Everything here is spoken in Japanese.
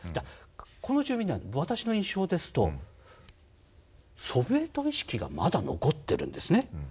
この住民は私の印象ですとソビエト意識がまだ残ってるんです。